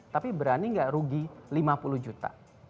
tapi berani nggak rugi lima puluh juta